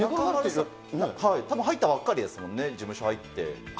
たぶん入ったばかりですよね、事務所入って。